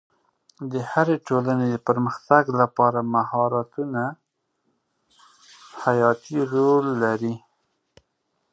د هرې ټولنې د پرمختګ لپاره مهارتونه حیاتي رول لري.